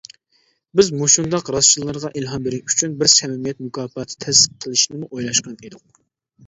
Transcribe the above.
بىز مۇشۇنداق راستچىللارغا ئىلھام بېرىش ئۈچۈن بىر سەمىمىيەت مۇكاپاتى تەسىس قىلىشنىمۇ ئويلاشقان ئىدۇق.